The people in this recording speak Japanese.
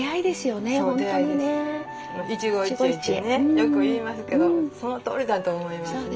よく言いますけどそのとおりだと思いますね。